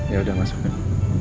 ya udah masukin